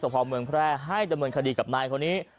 พอเมืองแพร่ให้ดำเนินคดีกับนายคนนี้